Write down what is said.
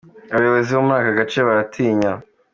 Abayobozi bo muri aka gace baratinya.